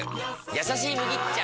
「やさしい麦茶」！